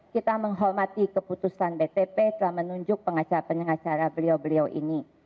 kita menghormati keputusan btp telah menunjuk pengacara pengacara beliau beliau ini